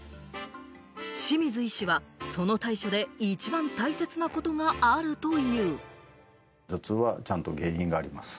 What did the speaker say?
清水医師はその対処で一番大切なことがあるという。